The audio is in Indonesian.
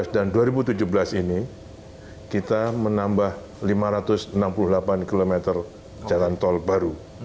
dua ribu lima belas dua ribu enam belas dan dua ribu tujuh belas ini kita menambah lima ratus enam puluh delapan km jalan tol baru